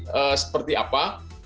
jadi seperti apa